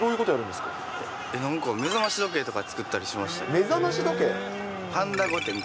なんか目覚まし時計とか作ったりしました。